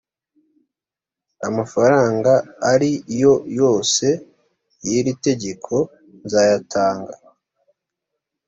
amafaranga ari yo yose y iri tegeko nzayatanga